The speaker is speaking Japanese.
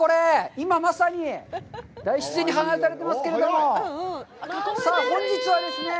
今、まさに大自然に放たれてますけども、さあ、本日はですね。